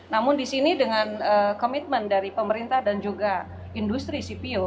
namun di sini dengan komitmen dari pemerintah dan juga industri cpo